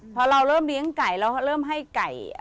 พอเราเริ่มเลี้ยงไก่เราเริ่มให้ไก่